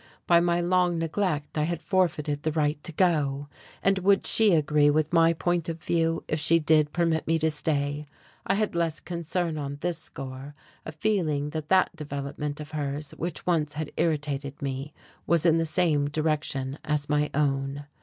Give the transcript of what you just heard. By my long neglect I had forfeited the right to go. And would she agree with my point of view if she did permit me to stay? I had less concern on this score, a feeling that that development of hers, which once had irritated me, was in the same direction as my own....